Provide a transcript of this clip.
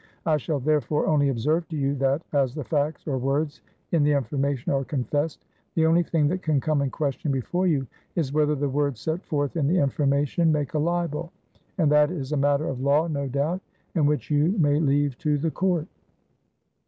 I shall, therefore, only observe to you that, as the facts or words in the information are confessed; the only thing that can come in question before you is whether the words set forth in the information, make a libel. And that is a matter of law, no doubt, and which you may leave to the Court.